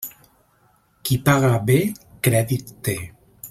Qui paga bé, crèdit té.